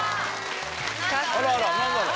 あらら何だろう？